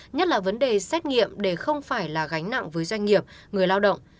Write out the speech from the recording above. nhất là vấn đề xét nghiệm để không phải là gánh nặng với doanh nghiệp người lao động